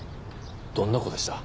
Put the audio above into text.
どんな子でした？